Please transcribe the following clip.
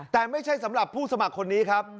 แต่ไม่ใช่สำหรับผู้สมัครคนนี้ครับ